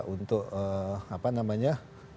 untuk apa namanya